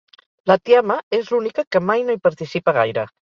La tiama és l'única que mai no hi participa gaire.